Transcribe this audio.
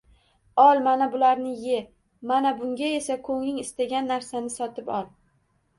Ol, mana bularni, ye! Mana bunga esa ko'ngling istagan narsani sotib ol.